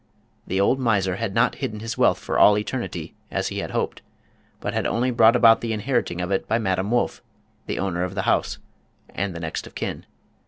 The old miser had not hidden his wealth for all eternity.,, as he had hoped, but had only brought about the inheriting of it by Madame Wolff, the owner of the house, and the next of kin.